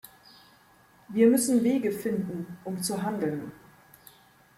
Wir müssen Wege finden, um zu handeln.